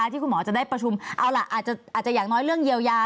ที่คุณหมอจะได้ประชุมเอาล่ะอาจจะอย่างน้อยเรื่องเยียวยา